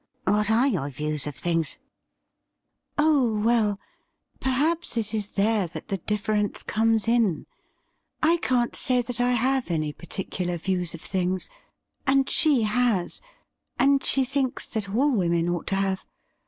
' What are your views of things ?''' Oh, well, perhaps it is there that the difference comes: in. I can't say that I have any particular views of things, and she has, and she thinks that all women ought to have.